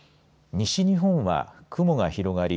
西日本は雲が広がり